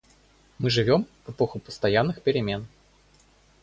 Мы живем в эпоху постоянных перемен.